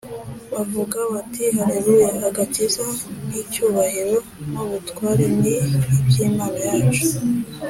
bavuga bati “Haleluya! Agakiza n’icyubahiro n’ubutware ni iby’Imana yacu,